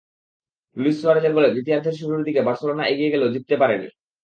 Luis সুয়ারেজের গোলে দ্বিতীয়ার্ধের শুরুর দিকে বার্সেলোনা এগিয়ে গেলেও জিততে পারেনি।